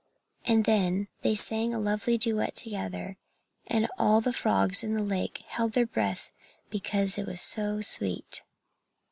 And then they sang a lovely duet together and all the frogs in the lake held their breath because it was so sweet.